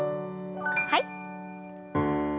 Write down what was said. はい。